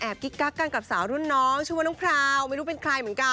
กิ๊กกักกันกับสาวรุ่นน้องชื่อว่าน้องพราวไม่รู้เป็นใครเหมือนกัน